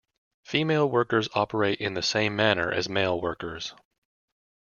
Female workers operate in the same manner as male workers.